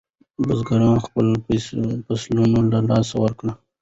بزګران خپل فصلونه له لاسه ورکوي.